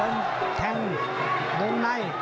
เดินแทงลงใน